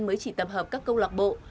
mới chỉ tập hợp các câu lạc bộ